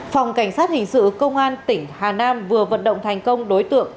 phòng cảnh sát hình sự công an tỉnh hà nam vừa vận động thành công đối tượng